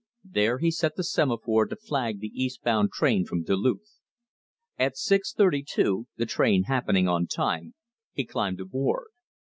There he set the semaphore to flag the east bound train from Duluth. At six thirty two, the train happening on time, he climbed aboard.